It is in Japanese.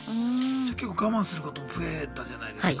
じゃ結構我慢することも増えたじゃないですか。